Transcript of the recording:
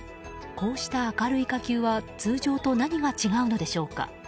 こうした明るい火球は通常と何が違うのでしょうか。